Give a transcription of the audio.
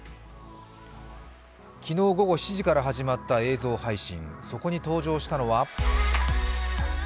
昨日午後７時から始まった映像配信